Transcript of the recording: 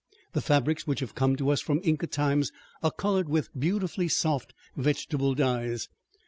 The fabrics which have come to us from Inca times are colored with beautifully soft vegetable dyes.